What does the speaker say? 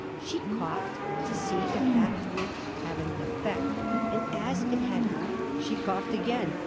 She coughed to see if that would have any effect, and as it had none she coughed again.